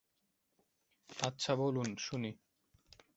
আচ্ছা, বলুন শুনি।